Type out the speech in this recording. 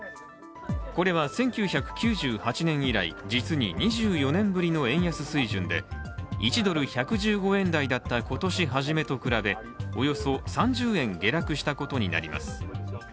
これは１９９８年以来、実に２４年ぶりの円安水準で１ドル＝１１５円台だった今年初めと比べ、およそ３０円下落したことになります。